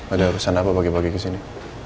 ada pesan apa pagi pagi kesini